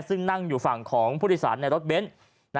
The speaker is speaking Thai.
ซึ่งนั่งอยู่ฝั่งของผู้โดยสารในรถเบนท์